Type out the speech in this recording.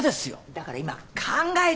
だから今考え中。